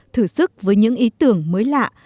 thử sức với những ý tưởng mới lạ